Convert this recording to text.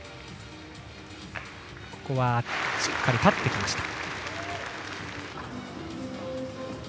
ここはしっかり立ってきました。